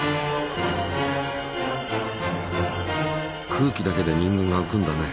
空気だけで人間がうくんだね。